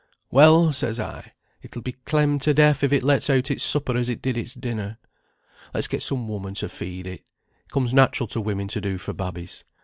'Well,' says I, 'it'll be clemmed to death, if it lets out its supper as it did its dinner. Let's get some woman to feed it; it comes natural to women to do for babbies.'